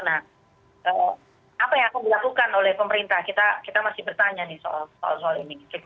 nah apa yang akan dilakukan oleh pemerintah kita masih bertanya nih soal soal ini